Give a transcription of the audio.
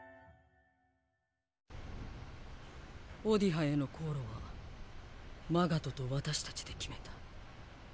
オディハへの航路はマガトと私たちで決めた。